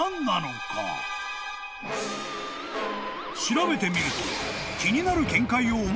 ［調べてみると］